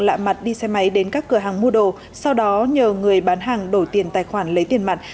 lạ mặt đi xe máy đến các cửa hàng mua đồ sau đó nhờ người bán hàng đổi tiền tài khoản lấy tiền mặt